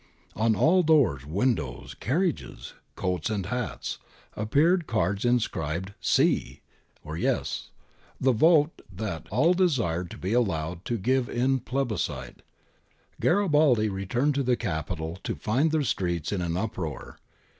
On all doors, windows, carriages, coats, and hats appeared cards inscribed s?('yes'), — the vote that all desired to be allowed to give in plebiscite. Garibaldi returned to the Capital to find the streets in an uproar.